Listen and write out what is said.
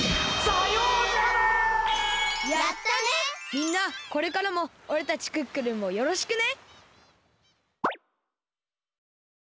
みんなこれからもおれたちクックルンをよろしくね！